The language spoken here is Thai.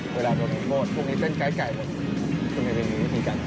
เวลาโดนอีกโบสถ์พวกนี้เป็นไกลแล้วก็ไม่มีมีทีกัน